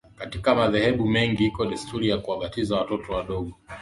Katika madhehebu mengi iko desturi ya kuwabatiza watoto wadogo